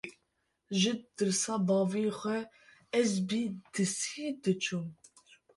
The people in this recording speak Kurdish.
ji tirsa bavê xwe ez bi dizî diçûm.